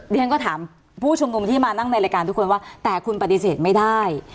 เรียนก็ถามผู้ชุมนุมที่มานั่งในรายการทุกคนว่าแต่คุณปฏิเสธไม่ได้